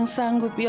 ini semua demi kamu